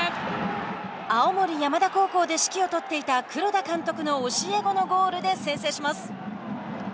青森山田高校で指揮を執っていた黒田監督の教え子のゴールで先制します。